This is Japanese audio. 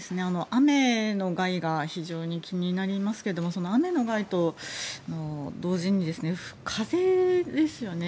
雨の害が非常に気になりますけどその雨の害と同時に風ですよね。